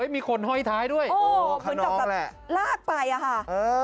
มีคนห้อยท้ายด้วยคนน้องแหละเหมือนกับลากไปค่ะ